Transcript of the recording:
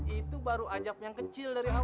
itu baru ajab yang kecil dari awal